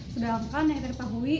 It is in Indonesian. sedangkan yang kita ketahui